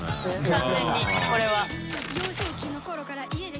完全にこれは。